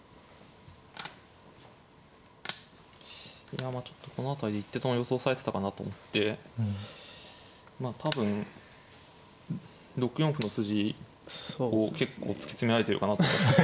いやまあちょっとこの辺りで一手損は予想されてたかなと思ってまあ多分６四歩の筋を結構突き詰められてるかなと。